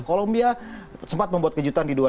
columbia sempat membuat kejutan juga